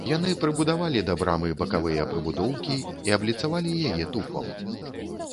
Яны прыбудавалі да брамы бакавыя прыбудоўкі і абліцавалі яе туфам.